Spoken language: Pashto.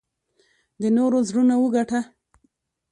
د نورو زړونه وګټه .